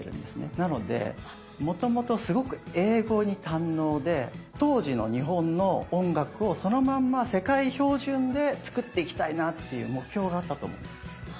なのでもともとすごく英語に堪能で当時の日本の音楽をそのまんま世界標準で作っていきたいなっていう目標があったと思うんです。